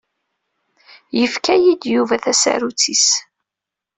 Yefka-yi-d Yuba tasarut-is.